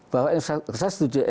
bahwa saya setuju saya setuju bahwa